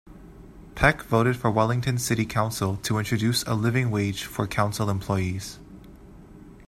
Peck voted for Wellington City Council to introduce a 'living wage' for council employees.